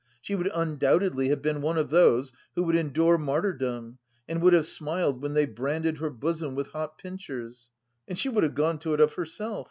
She would undoubtedly have been one of those who would endure martyrdom and would have smiled when they branded her bosom with hot pincers. And she would have gone to it of herself.